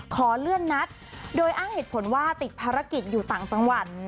ขอเลื่อนนัดโดยอ้างเหตุผลว่าติดภารกิจอยู่ต่างจังหวัด